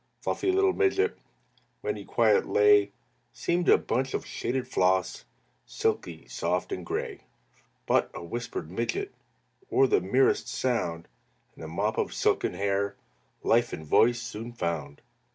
Fluffy little Midget, When he quiet lay Seemed a bunch of shaded floss, Silky, soft, and gray. But a whispered "Midget," Or the merest sound, And the mop of silken hair Life and voice soon found.